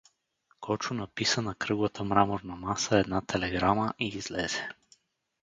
Кочо написа на кръглата мраморна маса една телеграма и излезе.